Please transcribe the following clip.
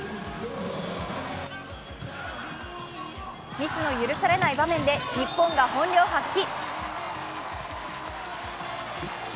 ミスの許されない場面で日本が本領発揮。